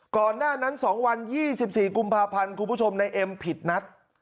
ก่อนหน้านั้น๒วัน๒๔กุมภาพันธ์คุณผู้ชมในเอ็มผิดนัด